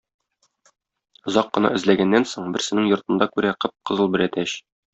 Озак кына эзләгәннән соң, берсенең йортында күрә кып-кызыл бер әтәч.